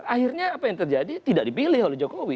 akhirnya apa yang terjadi tidak dipilih oleh jokowi